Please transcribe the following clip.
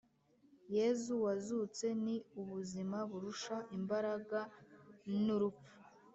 yezu wazutse ni ubuzima burusha imbaragan urupfu